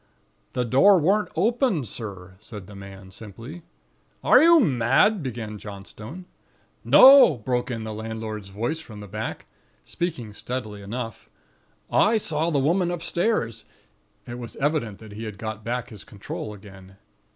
"'The door weren't opened, sir,' said the man, simply. "'Are you mad ' began Johnstone. "'No,' broke in the landlord's voice from the back. Speaking steadily enough. 'I saw the Woman upstairs.' It was evident that he had got back his control again.